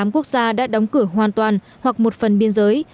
một trăm sáu mươi tám quốc gia đã đóng cửa hoàn toàn hoặc một phần biên giới